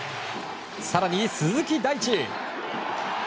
更に、鈴木大地。